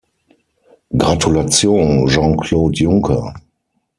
Gratulation, Jean-Claude Juncker!